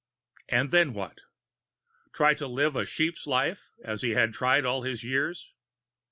And then what? Try to live a sheep's life, as he had tried all his years?